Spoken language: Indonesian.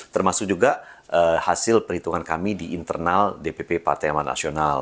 termasuk juga hasil perhitungan kami di internal dpp pn